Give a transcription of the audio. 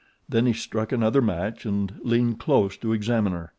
Then he struck another match and leaned close to examine her.